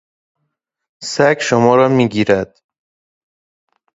سگ شما را میگیرد.